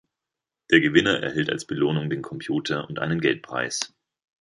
Der Gewinner erhält als Belohnung den Computer und einen Geldpreis.